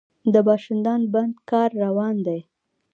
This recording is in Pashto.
د پاشدان بند کار روان دی؟